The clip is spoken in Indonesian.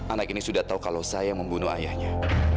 anak ini sudah tahu kalau saya membunuh ayahnya